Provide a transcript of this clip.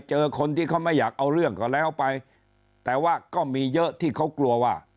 เจอคนที่เขาไม่อยากเอาเรื่องก็แล้วไปแต่ว่าก็มีเยอะที่เขากลัวว่า